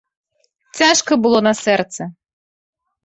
Цяжка было на сэрцы.